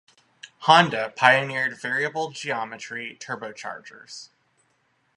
Honda pioneered variable-geometry turbo chargers.